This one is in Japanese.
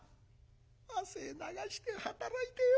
汗流して働いてよ